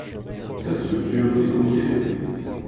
Sa structure est en pierre.